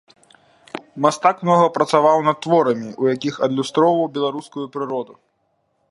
Мастак многа працаваў над творамі, у якіх адлюстроўваў беларускую прыроду.